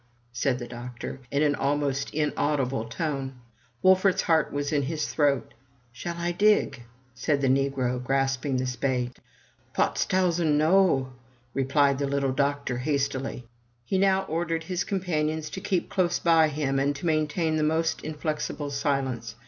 *' said the doctor, in an almost inaudible tone. Wolfert's heart was in his throat. "Shall I dig? said the negro, grasping the spade. ''Pots tausendy noF' repHed the little doctor, hastily. He now ordered his companions to keep close by him, and to main tain the most inflexible silence.